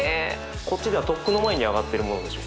こっちではとっくの前に上がってるものでしょ？